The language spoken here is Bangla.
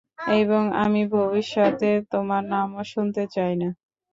এবং আমি ভবিষ্যতে তোমার নামও শুনতে চাই না।